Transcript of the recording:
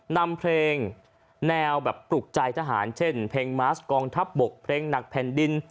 นำเพลงแนวแบบปลุกใจทหารเช่นเพลงมาสกองทัพบกเพลงหนักแผ่นดิน